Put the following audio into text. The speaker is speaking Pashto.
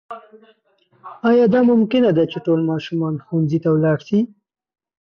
آیا دا ممکنه ده چې ټول ماشومان ښوونځي ته ولاړ سي؟